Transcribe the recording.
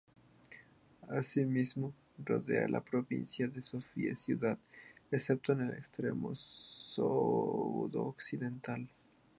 Asimismo, rodea a la provincia de Sofía-Ciudad excepto en el extremo sudoccidental.